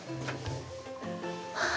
ああ！